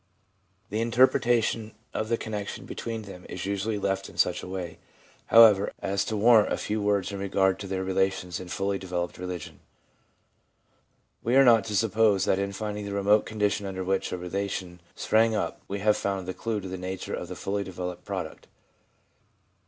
The interpretation of the connection between them is usually left in such a way, however, as to warrant a few words in regard to their relations in fully developed religion. We are not to suppose that in finding the remote conditions under which a relation sprang up we have found the clue to the nature of the fully developed product.